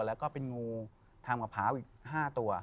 แล้วก็เป็นงูทำมะพร้าวอีก๕ตัว